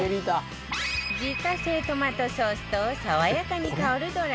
自家製トマトソースと爽やかに香るドライバジル